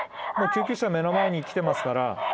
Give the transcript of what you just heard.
もう救急車目の前に来てますから。